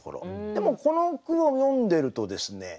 でもこの句を読んでるとですね